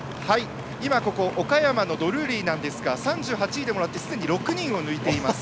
岡山のドルーリーなんですが３８位でもらってすでに６人を抜いています。